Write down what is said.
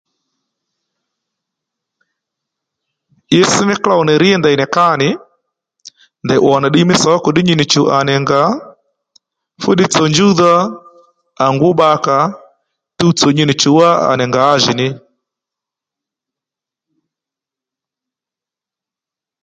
Itss mí klôw ní rŕ ndèy nì ká nì ndèy ùwo nì ddiy mí soko ddí nyi nì chǔw à nì ngǎ fúddiy tsò njúwdha à ngú bba-ka tuwtsò nyi nì chùw wá à nì ngǎjì ní